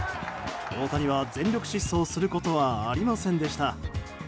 大谷は全力疾走することはありませんでした。